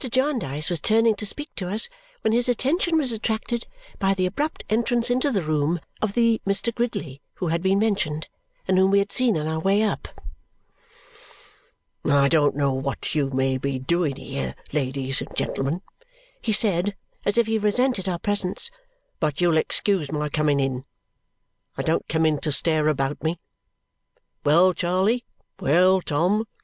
Jarndyce was turning to speak to us when his attention was attracted by the abrupt entrance into the room of the Mr. Gridley who had been mentioned and whom we had seen on our way up. "I don't know what you may be doing here, ladies and gentlemen," he said, as if he resented our presence, "but you'll excuse my coming in. I don't come in to stare about me. Well, Charley! Well, Tom!